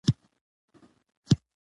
د افغانستان بانک دنده څه ده؟